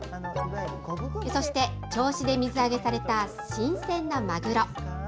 そして銚子で水揚げされた新鮮なマグロ。